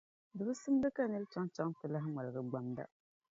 Di bi simdi ka nir’ chaŋchaŋ ti lan ŋmaligi gbamda.